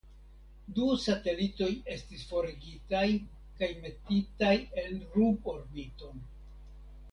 Du satelitoj estis forigitaj kaj metitaj en ruborbiton.